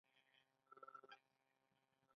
ایا د ژوند قدر پیژنئ؟